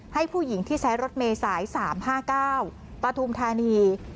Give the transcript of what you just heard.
ให้ผู้หญิงที่ใช้รถเมษาย๓๕๙ปฐุมธานี